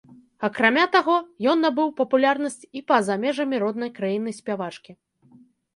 Акрамя таго, ён набыў папулярнасць і па-за межамі роднай краіны спявачкі.